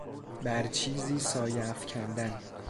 بر چیزی سایه افکندن